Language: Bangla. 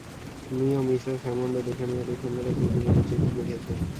মি ও মিসেস হ্যামণ্ড দুখানি অতি সুন্দর ও প্রীতিপূর্ণ চিঠি লিখেছেন।